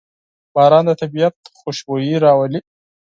باران د طبیعت خوشبويي راولي.